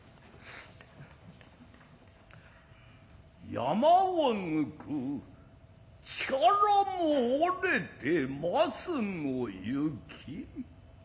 「山をぬく力も折れて松の雪」。